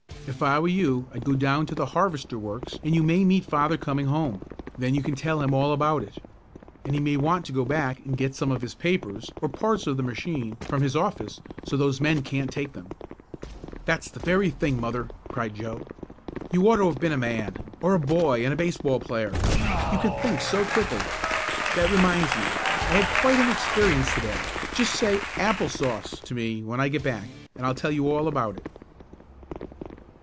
If I were you I'd go down toward the harvester works and you may meet father coming home. Then you can tell him all about it, and he may want to go back and get some of his papers, or parts of the machine, from his office so those men can't take them." "That's the very thing, mother!" cried Joe. "You ought to have been a man or a boy and a baseball player! You can think so quickly. That reminds me; I had quite an experience to day. Just say 'apple sauce' to me when I get back, and I'll tell you all about it."